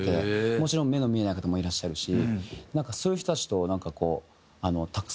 もちろん目の見えない方もいらっしゃるしそういう人たちとなんかこうたくさん触れて。